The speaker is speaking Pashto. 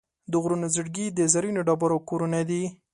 د غرونو زړګي د زرینو ډبرو کورونه دي.